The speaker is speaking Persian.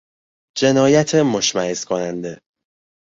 جنایت مشمئز کننده